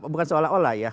bukan seolah olah ya